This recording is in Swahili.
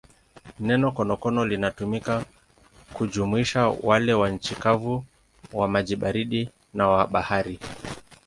Neno konokono linatumika kujumuisha wale wa nchi kavu, wa maji baridi na wa bahari.